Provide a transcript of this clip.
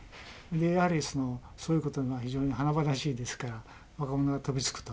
やはりそういうことは非常に華々しいですから若者が飛びつくと。